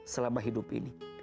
selama hidup ini